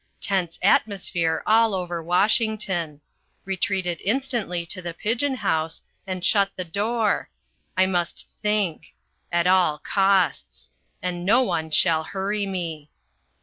Tense atmosphere all over Washington. Retreated instantly to the pigeon house and shut the door. I must think. At all costs. And no one shall hurry me.